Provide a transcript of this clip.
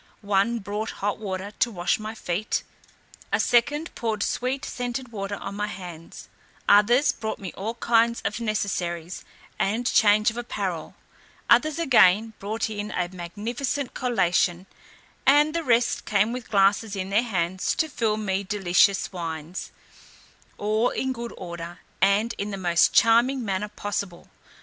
One brought hot water to wash my feet, a second poured sweet scented water on my hands; others brought me all kinds of necessaries, and change of apparel; others again brought in a magnificent collation; and the rest came with glasses in their hands to fill me delicious wines, all in good order, and in the most charming manner possible.